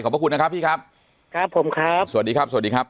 พระคุณนะครับพี่ครับครับผมครับสวัสดีครับสวัสดีครับ